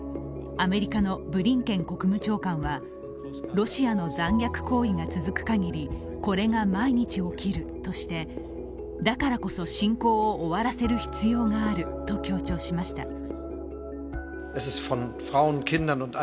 アメリカのブリンケン国務長官はロシアの残虐行為が続くかぎりこれが毎日起きるとしてだからこそ侵攻を終わらせる必要があると強調しました。